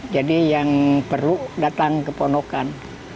jadi yang perlu datang ke ponokan